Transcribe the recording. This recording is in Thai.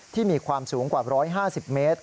มีความสูงกว่า๑๕๐เมตร